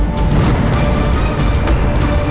saya imprimir kena laksananya